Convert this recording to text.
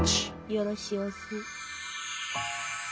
よろしおす。